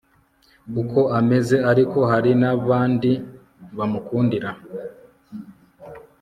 uko ameze ariko hari nabandi bamukundira